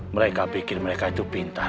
mereka pikir mereka itu pintar